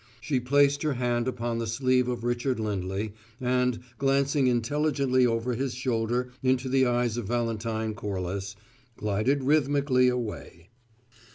She placed her hand upon the sleeve of Richard Lindley, and, glancing intelligently over his shoulder into the eyes of Valentine Corliss, glided rhythmically away.